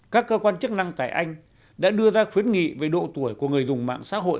các cơ quan chức năng tại anh đã đưa ra khuyến nghị về độ tuổi của người dùng mạng xã hội